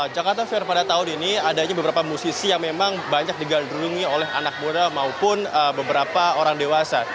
jakarta fair pada tahun ini adanya beberapa musisi yang memang banyak digandrungi oleh anak muda maupun beberapa orang dewasa